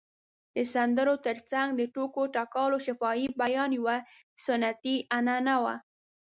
د سندرو تر څنګ د ټوکو ټکالو شفاهي بیان یوه سنتي عنعنه وه.